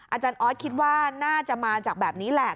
อาจารย์ออสคิดว่าน่าจะมาจากแบบนี้แหละ